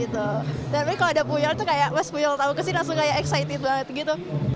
tapi kalau ada puyol pas puyol tahu ke sini langsung excited banget